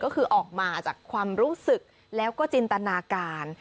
ก็คือออกมาจากความรู้สึกแล้วก็จินตนาการ